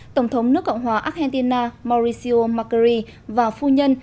tổng thống nước cộng hòa argentina mauricio macri và phu nhân